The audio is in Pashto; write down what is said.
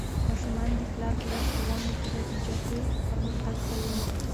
ماشومان د پلار د لارښوونو په نتیجه کې پرمختګ کوي.